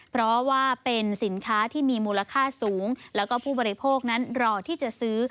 เพราะว่าเป็นสินค้าที่มีมูลค่าสูงแล้วก็ผู้บริโภคนั้นรอที่จะซื้อ